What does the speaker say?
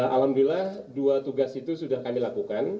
alhamdulillah dua tugas itu sudah kami lakukan